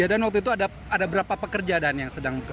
ya dan waktu itu ada berapa pekerja dan yang sedang